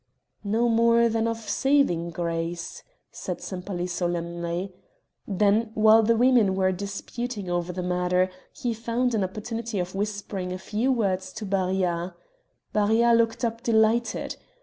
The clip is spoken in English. "No more than of saving grace," said Sempaly solemnly. Then, while the women were disputing over the matter, he found an opportunity of whispering a few words to Barillat; Barillat looked up delighted.